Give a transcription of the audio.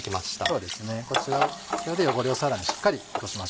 そうですねこちら汚れをさらにしっかり落とします。